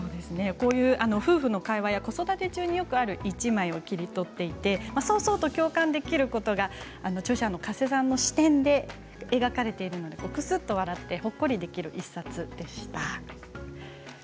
こういう夫婦の会話や子育て中によくある１枚を切り取っていてそう、そうと共感できることが著者の加瀬さんの視点で描かれているので、くすっと笑ってほっこりできる１冊でした。